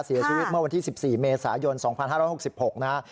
เสียชีวิตเมื่อวันที่๑๔เมษายน๒๕๖๖นะฮะ